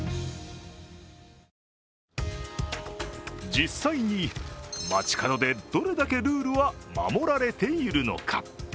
実際に街角でどれだけルールは守られているのか。